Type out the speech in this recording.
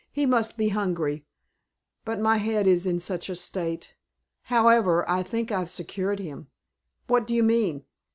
He must be hungry. But my head is in such a state. However, I think I've secured him." "What do you mean?"